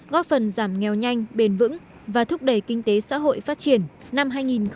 góp phần giảm nghèo nhanh bền vững và thúc đẩy kinh tế xã hội phát triển năm hai nghìn hai mươi